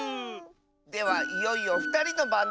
ではいよいよふたりのばんだ。